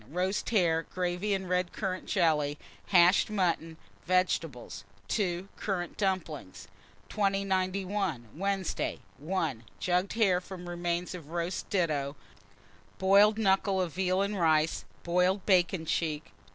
Roast hare, gravy, and red currant jelly; hashed mutton, vegetables. 2. Currant dumplings. 2091. Wednesday. 1. Jugged hare, from remains of roast ditto; boiled knuckle of veal and rice; boiled bacon cheek.